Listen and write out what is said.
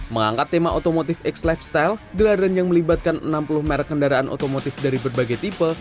mengangkat tema otomotif x lifestyle gelaran yang melibatkan enam puluh merek kendaraan otomotif dari berbagai tipe